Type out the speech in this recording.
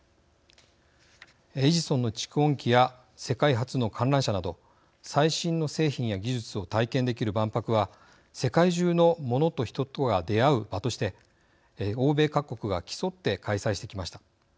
エジソンの蓄音機や世界初の観覧車など最新の製品や技術を体験できる万博は世界中のモノと人が出会う場として欧米各国が競って開催してきました。